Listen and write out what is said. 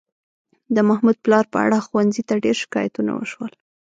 د محمود پلار په اړه ښوونځي ته ډېر شکایتونه وشول.